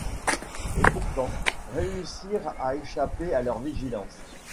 et pourtant réussir à échapper à leur vigilance.